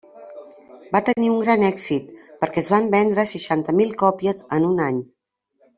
Van tenir un gran èxit, perquè es van vendre seixanta mil còpies en un any.